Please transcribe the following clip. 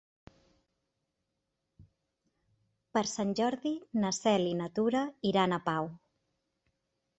Per Sant Jordi na Cel i na Tura iran a Pau.